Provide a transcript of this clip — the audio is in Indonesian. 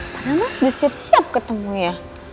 karena mas udah siap siap ketemu ya